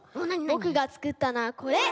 ぼくがつくったのはこれ。